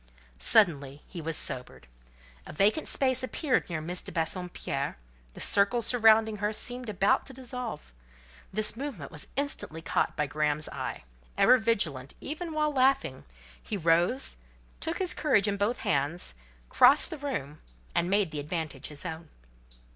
Suddenly he was sobered: a vacant space appeared near Miss de Bassompierre; the circle surrounding her seemed about to dissolve. This movement was instantly caught by Graham's eye—ever vigilant, even while laughing; he rose, took his courage in both hands, crossed the room, and made the advantage his own.